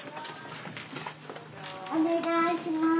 お願いします。